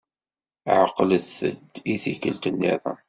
Ɛeqlet-d i tikkelt nniḍen.